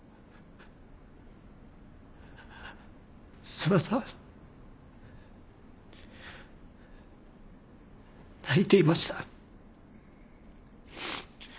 諏訪さん泣いていました。